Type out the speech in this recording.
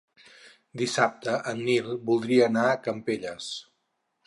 Dissabte en Nil voldria anar a Campelles.